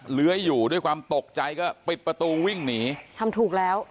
เหลืออยู่ด้วยความตกใจก็ปิดประตูวิ่งหนีทำถูกแล้ว